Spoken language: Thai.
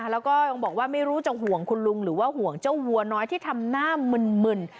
แล้วก็ยังบอกว่าไม่รู้จะห่วงคุณลุงหรือว่าห่วงเจ้าวัวน้อยที่ทำหน้ามึน